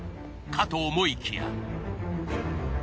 かと思いきや。